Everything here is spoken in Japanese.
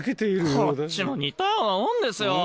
こっちも似たようなもんですよ。